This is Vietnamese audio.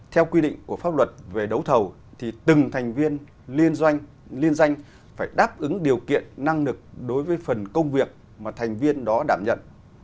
theo quy định của pháp luật về đấu thầu thì từng thành viên liên doanh liên danh phải đáp ứng điều kiện năng lực đối với phần công việc mà thành viên đó đảm nhận